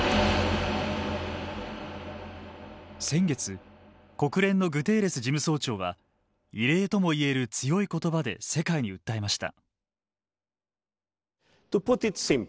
先月国連のグテーレス事務総長は異例とも言える強い言葉で世界に訴えました。